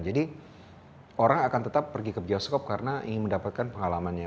jadi orang akan tetap pergi ke bioskop karena ingin mendapatkan pengalamannya